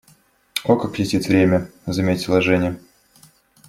«О, как летит время!», - заметила Женя.